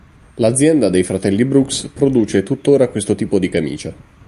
L'azienda dei fratelli Brooks produce tuttora questo tipo di camicia.